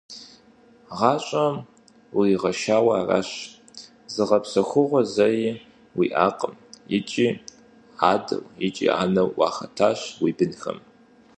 ГъащӀэм уригъэшауэ аращ, зыгъэпсэхугъуэ зэи уиӀакъым, икӀи адэу икӀи анэу уахэтащ уи бынхэм.